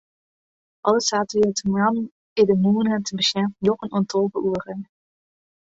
Alle saterdeitemoarnen is de mûne te besjen fan njoggen oant tolve oere.